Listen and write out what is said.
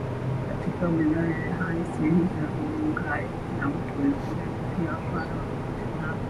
Katika wilaya ya Hai sehemu za Rundugai na mto Weruweru pia wapare wanapatikana